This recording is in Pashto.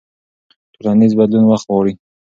ټولنیز بدلون وخت غواړي.